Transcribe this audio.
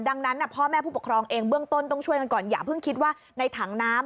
ดังนั้นพ่อแม่ผู้ปกครองเองเบื้องต้นต้องช่วยกันก่อนอย่าเพิ่งคิดว่าในถังน้ำ